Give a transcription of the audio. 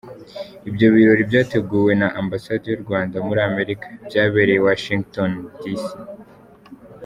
Ibyo birori byateguwe na Ambasade y’u Rwanda muri Amerika, byabereye i Washingitoni, D.